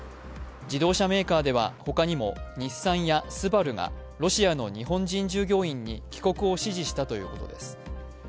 自動車メーカーでは他にも日産やＳＵＢＡＲＵがロシアの日本人従業員に帰国を指示したということです。